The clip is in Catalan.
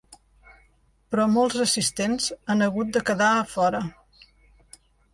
Però molts assistents han hagut de quedar a fora.